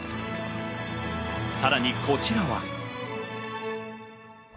さらに、こちらは。